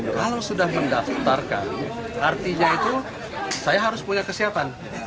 kalau sudah mendaftarkan artinya itu saya harus punya kesiapan